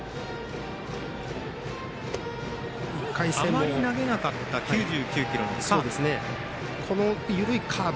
あまり投げなかった９９キロのカーブ。